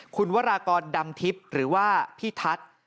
คุณวรากรดำทิพย์หรือว่าพี่ทัศน์